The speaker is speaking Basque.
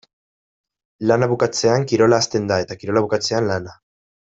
Lana bukatzean kirola hasten da eta kirola bukatzean lana.